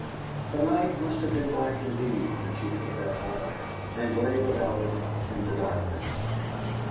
The night must have been black indeed when she took that off and lay without it in the darkness.